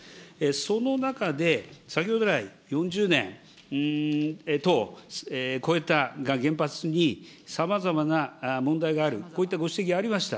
その中で先ほど来、４０年等超えた原発にさまざまな問題がある、こういったご指摘ありました。